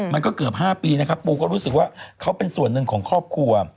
มันก็เกือบ๕ปีนะครับปูก็รู้สึกว่าเขาเป็นส่วนหนึ่งของครอบครัว